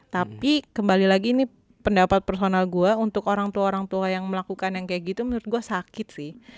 tapi kembali lagi ini pendapat personal gue untuk orang tua orang tua yang melakukan yang kayak gitu menurut gue sakit sih